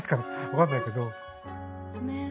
分かんないけど。